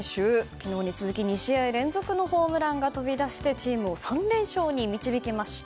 昨日に続き２試合連続のホームランが飛び出してチームを３連勝に導きました。